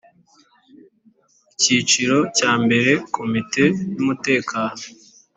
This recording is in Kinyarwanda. Icyiciro cya mbere Komite y Umutekano